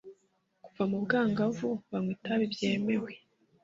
kuva mubwangavu banywa itabi byemewe